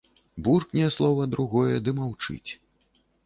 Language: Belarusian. Буркне слова, другое ды маўчыць.